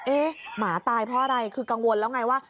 หมาตายเพราะอะไรคือกังวลแล้วไงว่า